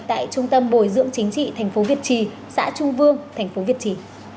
tại trung tâm bồi dưỡng chính trị tp việt trì xã trung vương tp việt trì